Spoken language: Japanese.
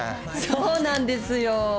そうなんですよ。